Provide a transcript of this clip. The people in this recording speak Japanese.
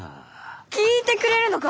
聞いてくれるのか！？